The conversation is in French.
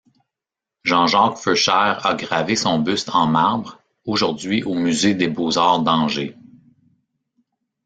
Jean-Jacques Feuchère a gravé son buste en marbre, aujourd’hui au musée des beaux-arts d'Angers.